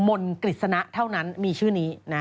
มนต์กฤษณะเท่านั้นมีชื่อนี้นะครับ